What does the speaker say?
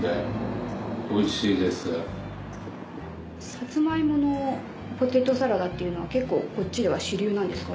サツマイモのポテトサラダっていうのは結構こっちでは主流なんですか？